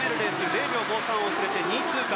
０秒５３遅れて２位通過。